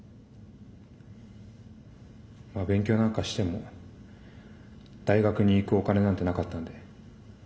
まあ勉強なんかしても大学に行くお金なんてなかったんで。